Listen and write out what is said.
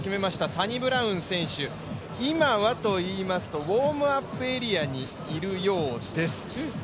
サニブラウン選手、今はといいますとウォームアップエリアにいるようです。